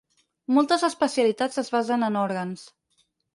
Moltes especialitats es basen en òrgans.